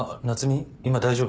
今大丈夫？